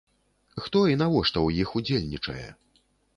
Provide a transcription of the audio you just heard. Хто і навошта ў іх удзельнічае?